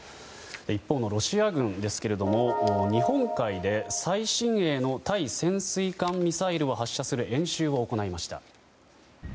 一方のロシア軍ですが日本海で最新鋭の対潜水艦ミサイルを発射する演習を行いました。